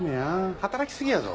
働き過ぎやぞ。